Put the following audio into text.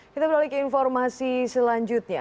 kita beralih ke informasi selanjutnya